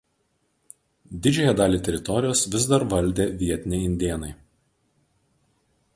Didžiąją dalį teritorijos vis dar valdė vietiniai indėnai.